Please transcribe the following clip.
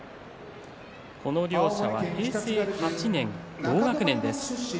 この両者は平成８年、同学年です。